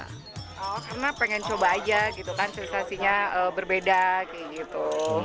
karena pengen coba aja gitu kan sensasinya berbeda kayak gitu